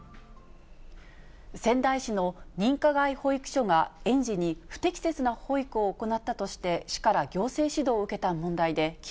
仙台市の認可外保育所が園児に不適切な保育を行ったとして、市から行政指導を受けた問題でき